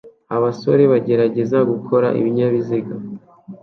abasore bagerageza gukora ibinyabiziga